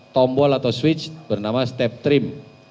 tombol atau switch bernama step trem